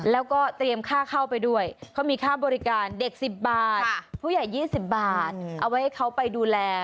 แล้วก็เตรียมค่าเข้าไปด้วยเขามีค่าบริการเด็ก๑๐บาทผู้ใหญ่๒๐บาทเอาไว้ให้เขาไปดูแล